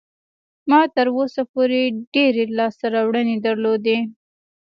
ما تر اوسه پورې ډېرې لاسته راوړنې درلودې.